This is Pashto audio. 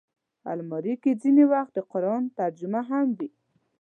الماري کې ځینې وخت د قرآن ترجمه هم وي